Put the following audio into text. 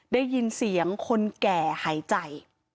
ได้ยินเสียงคนแก่หายใจ